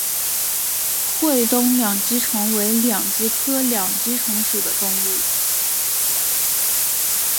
会东两极虫为两极科两极虫属的动物。